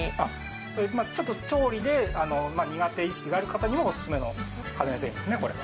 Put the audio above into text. そういう、ちょっと調理で苦手意識がある方にもお勧めの家電製品ですね、これは。